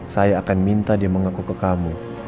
saya akan minta dia mengaku ke kamu